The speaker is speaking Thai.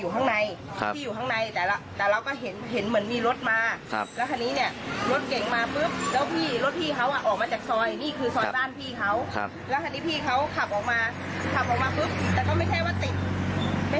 เห็นไหมมาช้าแล้วเขาจอดนึกจะจอดก็จอดเลย